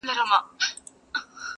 ما سپارلی د هغه مرستي ته ځان دی؛